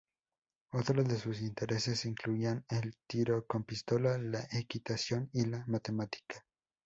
Otros de sus intereses incluían el tiro con pistola, la equitación y la matemática.